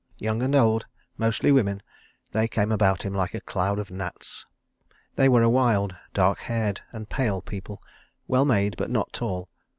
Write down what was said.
Young and old, mostly women, they came about him like a cloud of gnats. They were a wild, dark haired and pale people, well made but not tall.